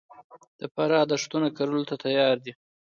د فراه دښتونه کرلو ته تیار دي